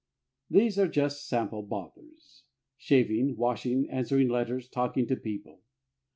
These are just sample bothers shaving, washing, answering letters, talking to people.